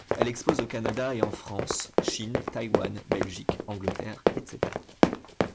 Elle expose au Canada et en France, Chine, Taïwan, Belgique, Angleterre, etc.